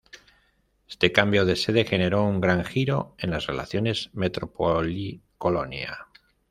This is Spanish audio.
Este cambio de sede generó un gran giro en las relaciones metrópoli-colonia.